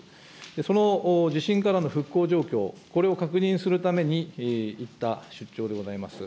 その地震からの復興状況、これを確認するために行った出張でございます。